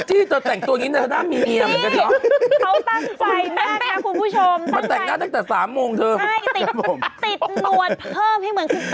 ใช่ติดหนวดเพิ่มให้เหมือนคุณติดด้วยนะคะ